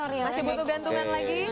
masih butuh gantungan lagi